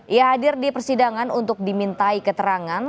ia hadir di persidangan untuk dimintai keterangan